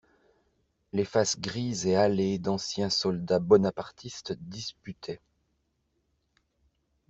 Les faces grises et hâlées d'anciens soldats bonapartistes disputaient.